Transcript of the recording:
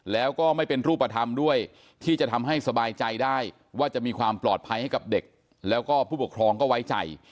แล้วก็ไม่เป็นรูปธรรมด้วยที่จะทำให้สบายใจได้ว่าจะมีความปลอดภัยให้กับเด็กแล้วก็ผู้ปกครองก็ไว้ใจ